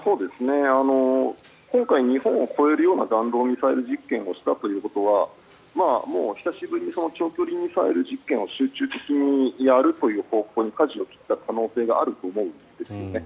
今回、日本を超えるような弾道ミサイル実験をしたということはもう久しぶりに長距離ミサイル実験を集中的にやるという方向にかじを切った可能性があると思うんですね。